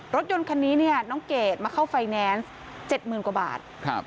รถยนต์คันนี้เนี้ยน้องเกดมาเข้าไฟแนนซ์เจ็ดหมื่นกว่าบาทครับ